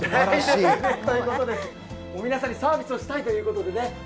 皆さんにサービスをしたいということでね。